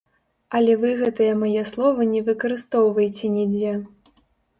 Але вы гэтыя мае словы не выкарыстоўвайце нідзе.